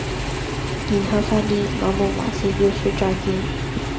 然後發現我們還是要說再見